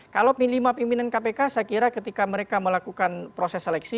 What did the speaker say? kalau lima pimpinan kpk saya kira ketika mereka melakukan proses seleksi